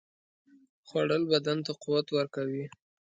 خوړل بدن ته قوت ورکوي